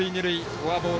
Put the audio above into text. フォアボール。